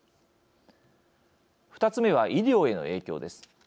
２つ目は医療への影響です。